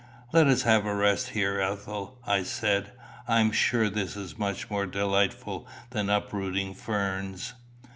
"Let us have a rest here, Ethel," I said. "I am sure this is much more delightful than uprooting ferns.